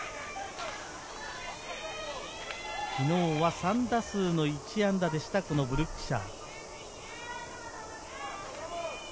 昨日は３打数１安打でした、ブルックシャー。